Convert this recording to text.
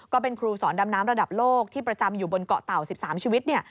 ก็เป็นครูสอนดำน้ำระดับโลกที่ประจำอยู่บนเกาะเต่า๑๓ชีวิต